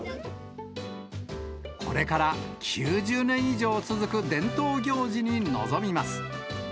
これから９０年以上続く伝統行事に臨みます。